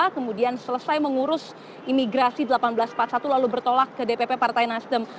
kemudian selesai mengurus imigrasi seribu delapan ratus empat puluh satu lalu bertolak ke dpp partai nasdem